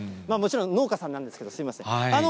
もちろん農家さんなんですけど、すみません。